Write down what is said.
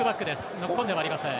ノックオンではありません。